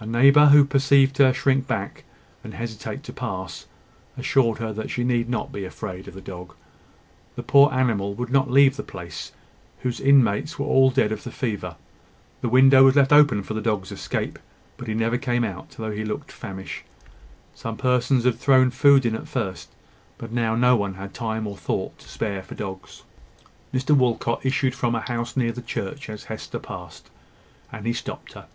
A neighbour who perceived her shrink back, and hesitate to pass, assured her that she need not be afraid of the dog. The poor animal would not leave the place, whose inmates were all dead of the fever. The window was left open for the dog's escape; but he never came out, though he looked famished. Some persons had thrown in food at first; but now no one had time or thought to spare for dogs. Mr Walcot issued from a house near the church as Hester passed, and he stopped her.